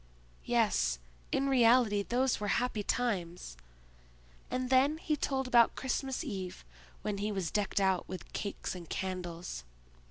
"Yes, in reality those were happy times." And then he told about Christmas Eve, when he was decked out with cakes and candles.